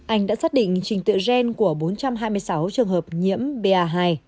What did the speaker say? anh đã xác định trình tựa gen của bốn trăm hai mươi sáu trường hợp nhiễm ba hai